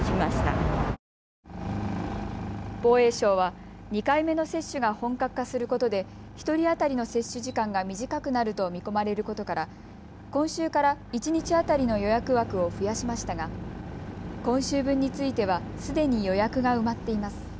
防衛省は２回目の接種が本格化することで１人当たりの接種時間が短くなると見込まれることから今週から一日当たりの予約枠を増やしましたが、今週分についてはすでに予約が埋まっています。